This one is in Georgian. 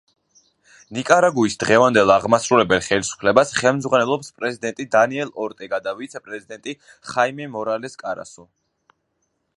ნიკარაგუის დღევანდელ აღმასრულებელ ხელისუფლებას ხელმძღვანელობს პრეზიდენტი დანიელ ორტეგა და ვიცე-პრეზიდენტი ხაიმე მორალეს კარასო.